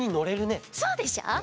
そうでしょ！